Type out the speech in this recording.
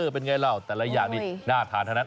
เป็นไงล่ะแต่ละอย่างนี้น่าทานเท่านั้น